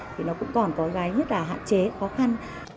thì nó cũng còn có cái hạn chế khó khăn